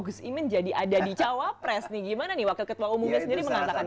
gus imin jadi ada di cawapres nih gimana nih wakil ketua umumnya sendiri mengatakan ini